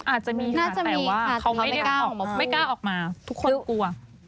อาจจะมีค่ะแต่ว่าเขาไม่กล้าออกมาทุกคนกลัว